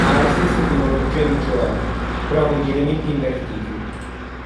Ha la stessa etimologia di Gioele, però con gli elementi invertiti.